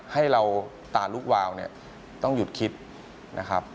ให้เราตาลุกวาวเนี่ยต้องหยุดคิดนะครับ